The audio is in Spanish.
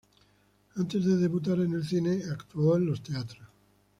Antes de debutar en el cine, actuó en los teatros.